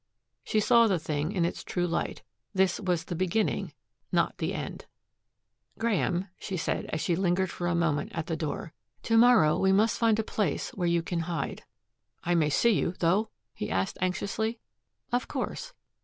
She saw the thing in its true light. This was the beginning, not the end. "Graeme," she said, as she lingered for a moment at the door. "To morrow we must find a place where you can hide." "I may see you, though?" he asked anxiously. "Of course.